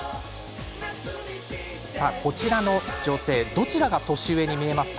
これ、どちらの女性が年上に見えますか？